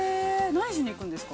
何しに行くんですか。